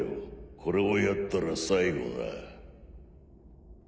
これをやったら最後な。